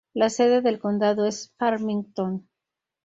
La sede del condado es Farmington.